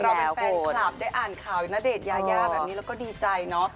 เราเป็นแฟนคลับได้อ่านข่าวณเดชน์ยายาแบบนี้เราก็ดีใจเนอะ